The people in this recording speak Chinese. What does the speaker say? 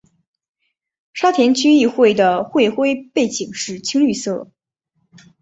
沙田区议会的会徽背景是青绿色。